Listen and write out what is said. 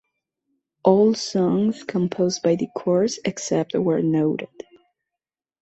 All songs composed by The Corrs except where noted.